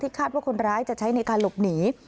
คาดว่าคนร้ายจะใช้ในการหลบหนี